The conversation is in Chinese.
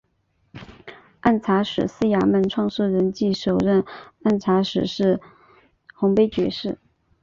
按察使司衙门创设人暨首任按察使是洪卑爵士。